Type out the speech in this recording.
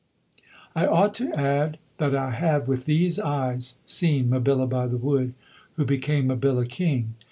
I ought to add that I have, with these eyes, seen Mabilla By the Wood who became Mabilla King.